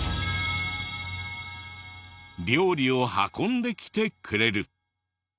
料理を運んできてくれる。